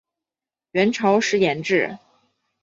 元朝时沿置。